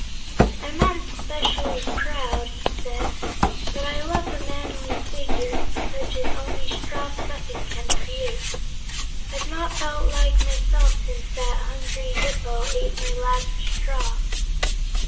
"I'm not specially proud," he said, "but I love a manly figure, such as only straw stuffing can create. I've not felt like myself since that hungry Hip po ate my last straw."